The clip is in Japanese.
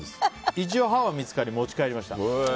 一応、歯は見つかり持ち帰りました。